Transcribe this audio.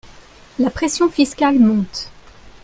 La pression fiscale monte.